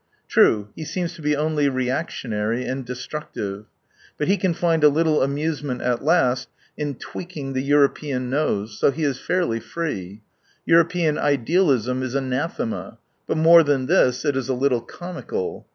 True, he seems to be only reactionary and destructive. Bui he can find a little amuse ment at last in tweaking the European nose, so he is fairly free. European idealism is anathema. But more than this, it is a little comical.